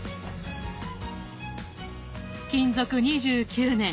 勤続２９年。